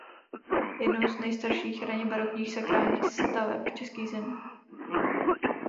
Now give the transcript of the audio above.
Je jednou z nejstarších raně barokních sakrálních staveb v českých zemích.